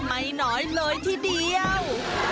ไม่น้อยเลยทีเดียว